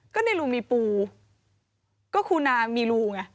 ก็ในรูมีปูก็คูนามีรูไง